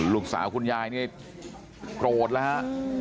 ลูกสาวของคุณยายเนี่ยโปรดแล้วฮะ